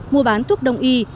mua bán thuốc đông y